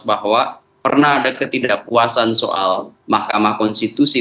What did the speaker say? bahwa pernah ada ketidakpuasan soal mahkamah konstitusi